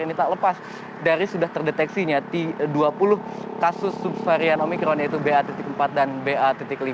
ini tak lepas dari sudah terdeteksinya dua puluh kasus subvarian omikron yaitu ba empat dan ba lima